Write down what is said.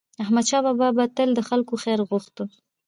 احمدشاه بابا به تل د خلکو خیر غوښت.